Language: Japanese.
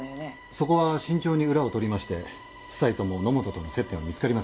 そこは慎重に裏を取りまして夫妻とも野本との接点は見つかりませんでした。